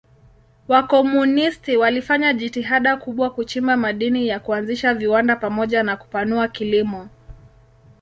Wakomunisti walifanya jitihada kubwa kuchimba madini na kuanzisha viwanda pamoja na kupanua kilimo.